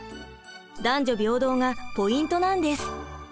男女平等がポイントなんです。